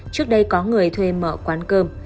trước đây có người thuê mở quán cơm